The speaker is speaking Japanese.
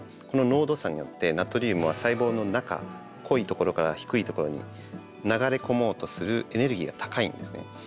この濃度差によってナトリウムは細胞の中濃いところから低いところに流れ込もうとするエネルギーが高いんですね。